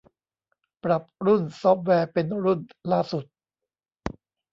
ปรับรุ่นซอฟต์แวร์เป็นรุ่นล่าสุด